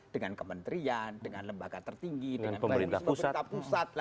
dengan kementerian dengan lembaga tertinggi dengan pemerintah pusat